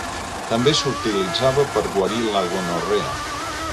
També s'utilitzava per guarir la gonorrea.